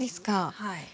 はい。